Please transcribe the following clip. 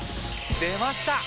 出ました！